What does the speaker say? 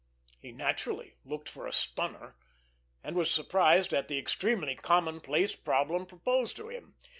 He naturally looked for a stunner, and was surprised at the extremely commonplace problem proposed to him.